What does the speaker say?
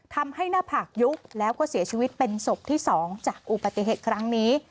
ทำให้หน้าผากยุบแล้วก็เสียชีวิตเป็นศพที่๒จากอุบัติเหตุครั้งนี้